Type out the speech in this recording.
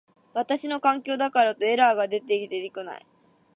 私の環境からだとエラーが出て出来ない